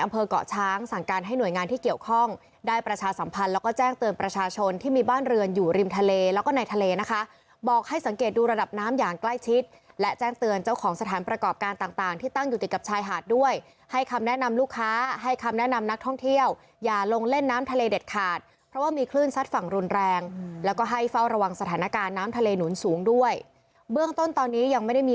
ประชาสัมพันธ์แล้วก็แจ้งเตือนประชาชนที่มีบ้านเรือนอยู่ริมทะเลแล้วก็ในทะเลนะคะบอกให้สังเกตดูระดับน้ำอย่างใกล้ชิดและแจ้งเตือนเจ้าของสถานประกอบการต่างต่างที่ตั้งอยู่ติดกับชายหาดด้วยให้คำแนะนำลูกค้าให้คำแนะนำนักท่องเที่ยวอย่าลงเล่นน้ำทะเลเด็ดขาดเพราะว่ามีคลื่นซัดฝ